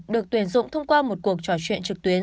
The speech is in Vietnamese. được tuyển dụng thông qua một cuộc trò chuyện trực tuyến